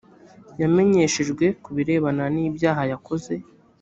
yamenyeshejwe ku birebana n’ ibyaha yakoze